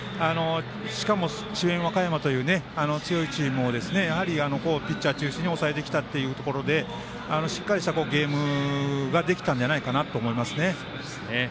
しかも、智弁和歌山という強いチームをピッチャー中心に抑えてきたというところでしっかりしたゲームができたんじゃないかなと思います。